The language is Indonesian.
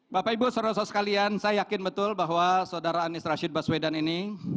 bapak ibu sorosos kalian saya yakin betul bahwa saudara anies rashid baswedan ini